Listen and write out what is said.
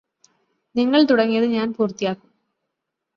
നിങ്ങള് തുടങ്ങിയത് ഞാന് പൂര്ത്തിയാക്കും